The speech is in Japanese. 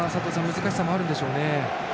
難しさもあるでしょうね。